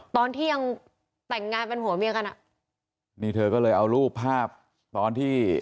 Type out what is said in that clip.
ตอนที่ยังแต่งงานเป็นผัวเมียกันอ่ะนี่เธอก็เลยเอารูปภาพตอนที่